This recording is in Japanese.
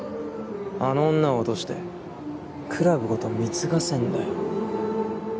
あの女を落としてクラブごと貢がせんだよ。